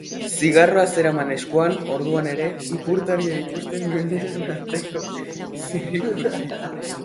Zigarroa zeraman eskuan orduan ere, ipurtargia ikusten nuen hegan ateko zirrikitutik.